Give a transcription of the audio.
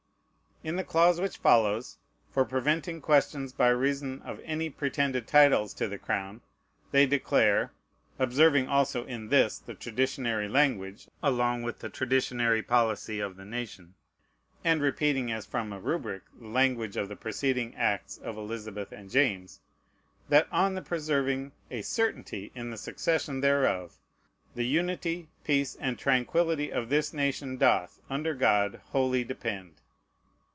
In the clause which follows, for preventing questions, by reason of any pretended titles to the crown, they declare (observing also in this the traditionary language, along with the traditionary policy of the nation, and repeating as from a rubric the language of the preceding acts of Elizabeth and James) that on the preserving "a certainty in the SUCCESSION thereof the unity, peace, and tranquillity of this nation doth, under God, wholly depend."